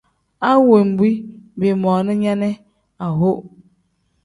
A wenbi biimoona nya ne aho.